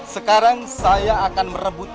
sekarang saya akan merebut